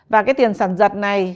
và cái tiền sản dật này